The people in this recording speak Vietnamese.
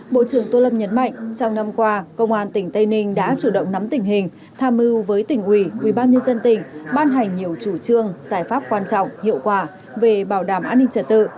bộ trưởng tô lâm nhấn mạnh trong năm qua công an tỉnh tây ninh đã chủ động nắm tình hình tham mưu với tỉnh ủy ubnd tỉnh ban hành nhiều chủ trương giải pháp quan trọng hiệu quả về bảo đảm an ninh trật tự